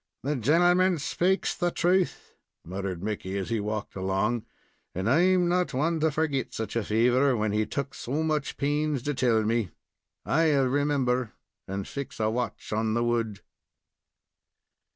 "The gentleman spakes the thruth," muttered Mickey, as he walked along, "and I'm not the one to forgit such a favor, when he took so much pains to tell me. I'll remember and fix a watch in the wood."